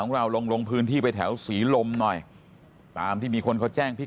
เราลงลงพื้นที่ไปแถวศรีลมหน่อยตามที่มีคนเขาแจ้งพี่